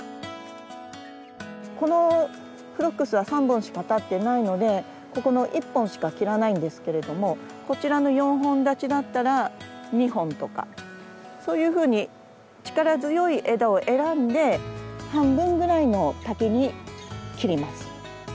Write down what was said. このフロックスは３本しか立ってないのでここの１本しか切らないんですけれどもこちらの４本立ちだったら２本とかそういうふうに力強い枝を選んで半分ぐらいの丈に切ります。